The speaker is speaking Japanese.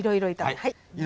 はい。